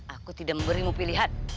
aku tidak memberimu pilihan